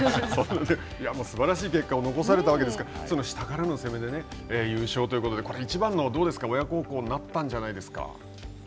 すばらしい結果を残されたわけですから、下からの攻めで優勝ということで、これ、いちばんの親孝行になったんじゃないですか。